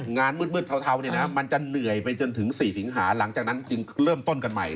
งานมืดเทาเนี่ยนะมันจะเหนื่อยไปจนถึง๔สิงหาหลังจากนั้นจึงเริ่มต้นกันใหม่